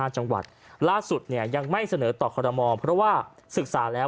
๕จังหวัดล่าสุดเนี่ยยังไม่เสนอต่อคอรมอลเพราะว่าศึกษาแล้ว